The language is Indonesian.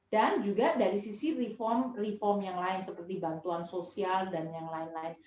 dan juga dari sisi reform reform yang lain seperti bantuan sosial dan lain lain